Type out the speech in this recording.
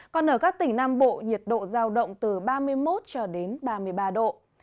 còn ở các tỉnh nam bộ nhiệt độ giao động từ ba mươi một cho đến ba mươi ba độ